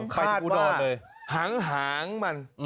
ไปถึงอูดรเลยคาดว่าหางมัน